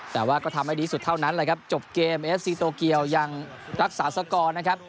แต่ว่าก็ทำให้ดีสุดเท่านั้นแหละครับจบเกมเอฟซีโตเกียวยังรักษาสกอร์นะครับ